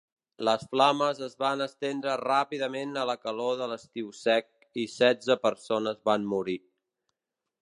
Les flames es van estendre ràpidament a la calor de l'estiu sec, i setze persones van morir.